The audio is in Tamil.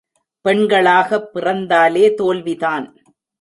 பெண்களாகப் பிறந்தாலே தோல்விதான்.